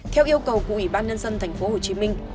theo yêu cầu của ủy ban nhân dân tp hồ chí minh